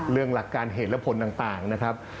หลักการเหตุและผลต่างนะครับ